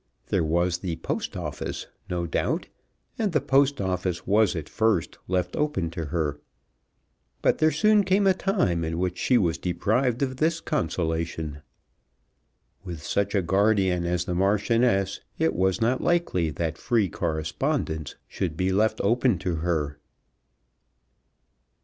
There was the Post Office, no doubt, and the Post Office was at first left open to her; but there soon came a time in which she was deprived of this consolation. With such a guardian as the Marchioness, it was not likely that free correspondence should be left open to her.